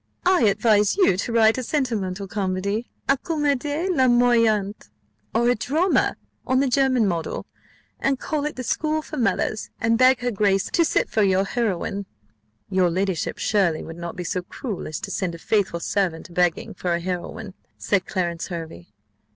I advise you to write a sentimental comedy, a comédie larmoyante, or a drama on the German model, and call it The School for Mothers, and beg her grace of to sit for your heroine." "Your ladyship, surely, would not be so cruel as to send a faithful servant a begging for a heroine?" said Clarence Hervey.